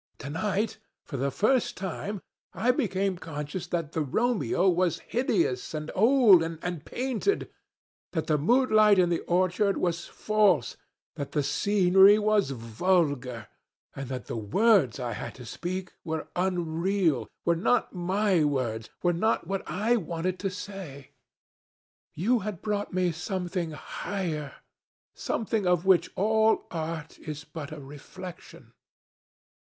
To night, for the first time, I became conscious that the Romeo was hideous, and old, and painted, that the moonlight in the orchard was false, that the scenery was vulgar, and that the words I had to speak were unreal, were not my words, were not what I wanted to say. You had brought me something higher, something of which all art is but a reflection.